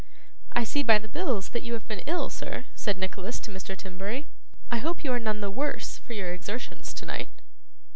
'I see by the bills that you have been ill, sir,' said Nicholas to Mr Timberry. 'I hope you are none the worse for your exertions tonight?